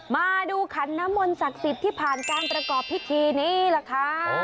มาดูขันน้ำมนต์ศักดิ์สิทธิ์ที่ผ่านการประกอบพิธีนี้ล่ะค่ะ